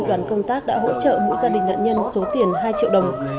đoàn công tác đã hỗ trợ mỗi gia đình nạn nhân số tiền hai triệu đồng